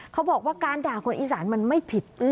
เขาบอกว่าการด่าคนอีสานมันไม่ผิด